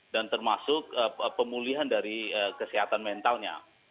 dan termasuk pemulihan dari kesehatan mentalnya